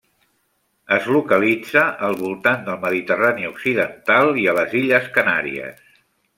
Es localitza al voltant del Mediterrani occidental i a les Illes Canàries.